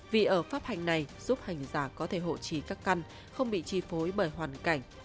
vì ở pháp hành này giúp hành giả có thể hộ trí các căn không bị chi phối bởi hoàn cảnh